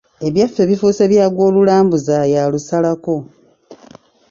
Ebyaffe bifuuse bya gw'olulambuza y’alusalako.